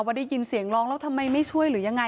ได้ยินเสียงร้องแล้วทำไมไม่ช่วยหรือยังไง